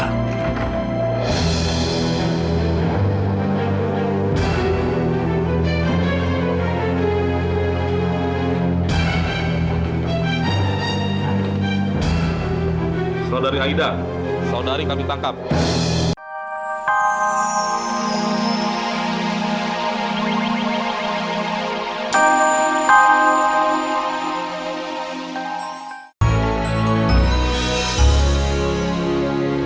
aku gak bisa bayangin kalau aku harus kehilangan kamu